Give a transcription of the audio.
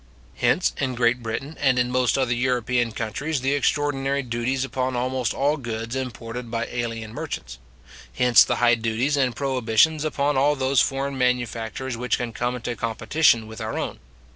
Hence, in Great Britain, and in most other European countries, the extraordinary duties upon almost all goods imported by alien merchants. Hence the high duties and prohibitions upon all those foreign manufactures which can come into competition with our own.